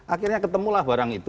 akhirnya ketemulah barang itu